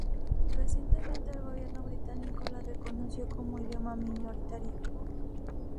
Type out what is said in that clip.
Recientemente el gobierno británico la reconoció como idioma minoritario.